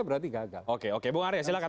berarti gagal oke oke bu arya silahkan